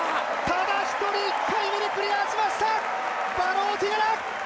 ただ１人、１回目でクリアしましたバローティガラ！